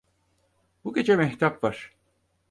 Bu gece mehtap var!